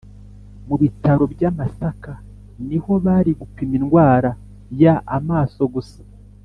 Mubitaro byamasaka niho bari gupima indwara ya amaso gusa